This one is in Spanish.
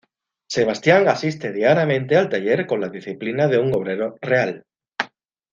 Sebastián asiste diariamente al taller con la disciplina de un obrero "real".